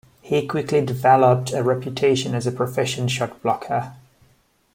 He quickly developed a reputation as a proficient shotblocker.